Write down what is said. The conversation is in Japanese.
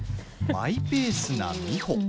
マイペースな美穂。